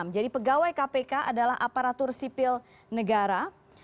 jadi pegawai kpk adalah aparatur sipil negara